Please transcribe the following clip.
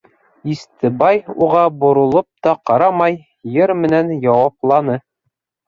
— Истебай уға боролоп та ҡарамай, йыр менән яуапланы: